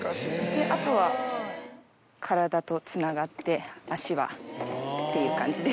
あとは体とつながって足はっていう感じですかね。